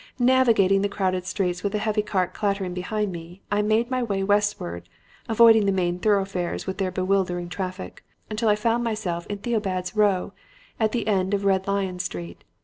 "Navigating the crowded streets with the heavy cart clattering behind me, I made my way westward, avoiding the main thoroughfares with their bewildering traffic, until I found myself in Theobald's Row at the end of Red Lion Street.